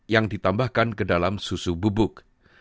yang ditambahkan ke dalam susu bubuk